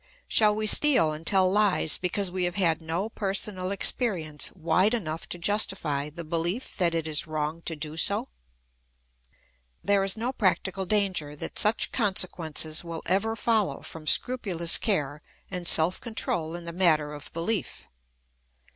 Shall we steal and tell hes because we have had no personal ex perience wide enough to justify the belief that it is wrong to do so ? There is no practical danger that such consequences will ever follow from scrupulous care and self control in the matter of belief.